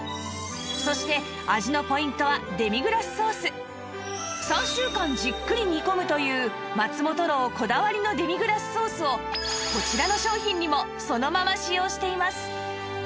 そして味のポイントは３週間じっくり煮込むという松本楼こだわりのデミグラスソースをこちらの商品にもそのまま使用しています